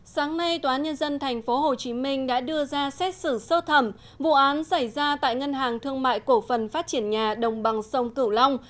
sáng nay tòa án nhân dân tp hcm đã đưa ra xét xử sơ thẩm vụ án xảy ra tại ngân hàng thương mại cổ phần phát triển nhà đồng bằng sông cửu long